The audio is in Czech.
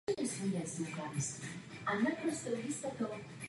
Vazba pí může existovat i bez přítomnosti vazby sigma.